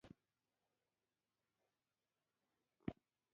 ازادي راډیو د د بیان آزادي په اړه د خلکو احساسات شریک کړي.